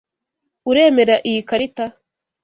Uremera iyi karita?